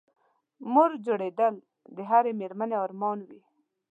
مور جوړېدل د هرې مېرمنې ارمان وي